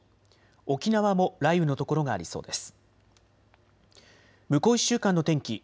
沖縄も雷雨の所がありそうです。